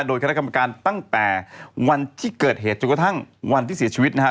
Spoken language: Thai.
โดยคณะกรรมการตั้งแต่วันที่เกิดเหตุจนกระทั่งวันที่เสียชีวิตนะฮะ